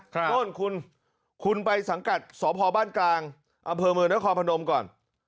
โต้นคุณคุณไปสังกัดสภบ้านกลางอเมินและคพนมก่อน